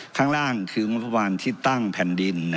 ข้างล่างคืองบประมาณที่ตั้งแผ่นดิน